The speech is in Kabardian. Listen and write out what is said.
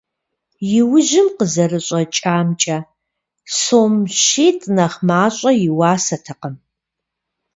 Иужьым къызэрыщӀэкӀамкӀэ, сом щитӀ нэхъ мащӀэ и уасэтэкъым.